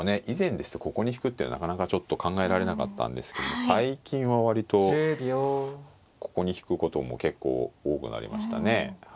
以前ですとここに引くっていうのはなかなかちょっと考えられなかったんですけども最近は割とここに引くことも結構多くなりましたね。